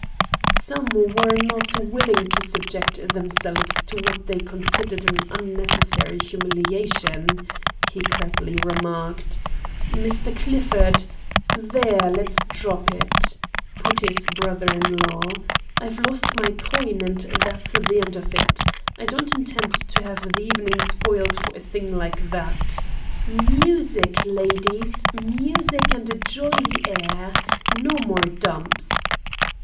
"Some were not willing to subject themselves to what they considered an unnecessary humiliation," he curtly remarked. "Mr. Clifford " "There! let us drop it," put in his brother in law. "I've lost my coin and that's the end of it. I don't intend to have the evening spoiled for a thing like that. Music! ladies, music and a jolly air! No more dumps."